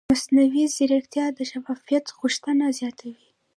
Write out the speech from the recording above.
مصنوعي ځیرکتیا د شفافیت غوښتنه زیاتوي.